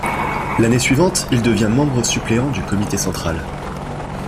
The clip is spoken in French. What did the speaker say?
L'année suivante, il devient membre suppléant du Comité central.